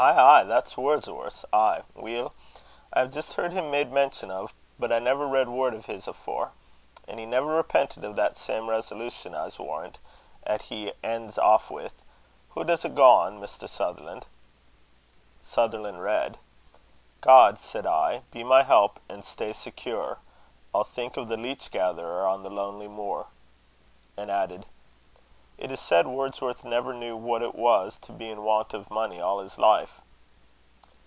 ay! That's Wordsworth's! Ay! Weel, I hae jist heard him made mention o', but I never read word o' his afore. An' he never repentit o' that same resolution, I'se warrant, 'at he eynds aff wi'. Hoo does it gang, Mr. Sutherlan'?" Sutherland read: "'God,' said I, 'be my help and stay secure! I'll think of the leech gatherer on the lonely moor;'" and added, "It is said Wordsworth never knew what it was to be in want of money all his life."